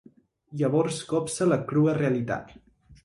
Llavors copsa la crua realitat.